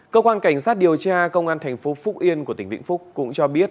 cơ quan cảnh sát điều tra công an tp phúc yên của tỉnh vĩnh phúc cũng cho biết